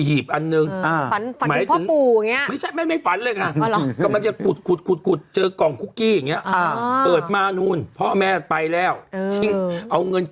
เอาเงินเก็บไปในกล้องคุกกี้เร่งสุกเอาไว้อย่างเงี้ย